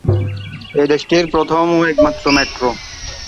এটি দেশটির প্রথম ও একমাত্র মেট্রো।